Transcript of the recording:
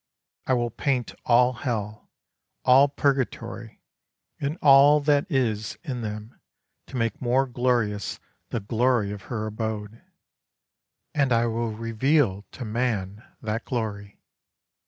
I will paint all Hell, all Purgatory, and all that is in them, to make more glorious the glory of her abode, and I will reveal to man that glory.